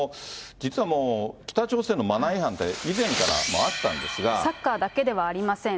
実はもう北朝鮮のマナー違反って、サッカーだけではありません。